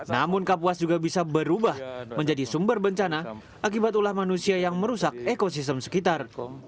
namun kapuas juga bisa berubah menjadi sumber bencana akibat ulah manusia yang merusak ekosistem sekitar